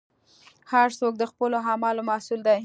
هر څوک د خپلو اعمالو مسوول دی.